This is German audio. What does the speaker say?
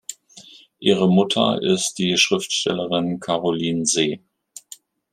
Ihre Mutter ist die Schriftstellerin Carolyn See.